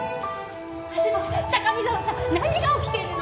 高見沢さん何が起きているの？